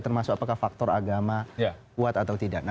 termasuk apakah faktor agama kuat atau tidak